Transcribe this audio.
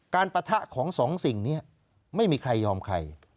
ปะทะของสองสิ่งนี้ไม่มีใครยอมใคร